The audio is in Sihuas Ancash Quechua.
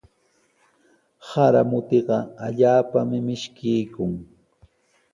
Sara mutiqa allaapami mishkiykun.